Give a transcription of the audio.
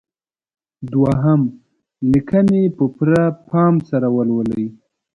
دوهم: لیکنې په پوره پام سره ولولئ.